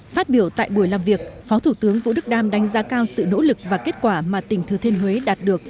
phát biểu tại buổi làm việc phó thủ tướng vũ đức đam đánh giá cao sự nỗ lực và kết quả mà tỉnh thừa thiên huế đạt được